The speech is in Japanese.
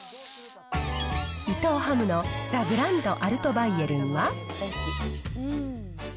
伊藤ハムのザ・グランドアルトバイエルンは。